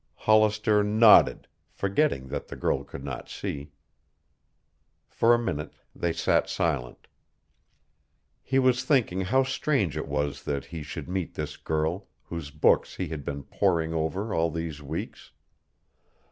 Hollister nodded, forgetting that the girl could not see. For a minute they sat silent. He was thinking how strange it was that he should meet this girl whose books he had been poring over all these weeks.